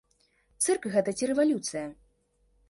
Цырк гэта ці рэвалюцыя?